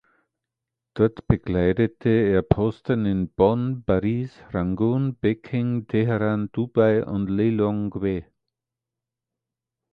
Dort bekleidete er Posten in Bonn, Paris, Rangun, Peking, Teheran, Dubai und Lilongwe.